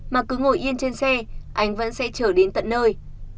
mà cứ ngồi yên trên xe anh vẫn sẽ trở đến tận nơi